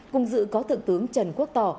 cùng dự có thượng tướng trần quốc tỏ